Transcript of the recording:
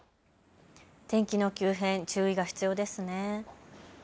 天気の急変に注意が必要ですね。